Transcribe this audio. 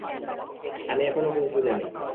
আমি এখনও কুংফু জানি!